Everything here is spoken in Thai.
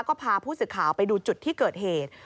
ก็พาผู้สื่อข่าวไปดูจุดที่เกิดเหตุ